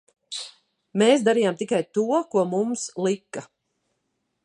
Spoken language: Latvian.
Mēs darījām tikai to, ko mums lika!